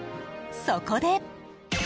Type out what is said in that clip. そこで。